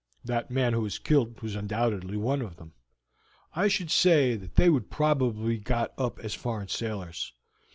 That man who was killed was undoubtedly one of them. I should say that they would probably be got up as foreign sailors."